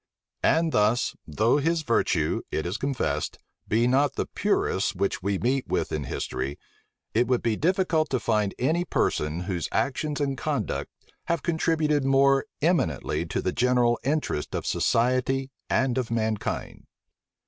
And thus, though his virtue, it is confessed, be not the purest which we meet with in history, it will be difficult to find any person whose actions and conduct have contributed more eminently to the general interests of society and of mankind.